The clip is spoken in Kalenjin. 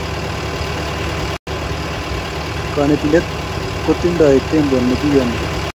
Kanetindet kotindoi tembo nekioni